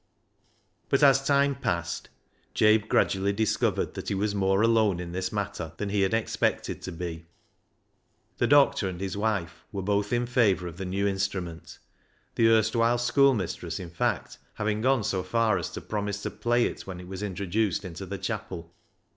But as time passed, Jabe gradually discovered that he was more alone in this matter than he had expected to be. The doctor and his wife were both in favour of the new instrument, the erstwhile schoolmistress, in fact, having gone so far as to promise to play it when it was intro duced into the chapel.